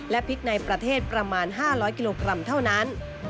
และพริกในประเทศประมาณ๕๐๐กิโลกรัมเท่านั้น